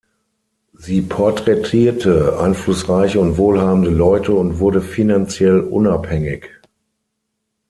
Sie porträtierte einflussreiche und wohlhabende Leute und wurde finanziell unabhängig.